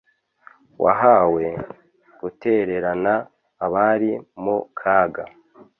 wahawe, gutererana abari mu kaga